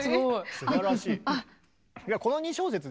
すばらしい。